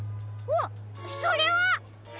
あっそれは！